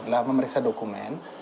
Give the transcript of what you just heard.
adalah memeriksa dokumen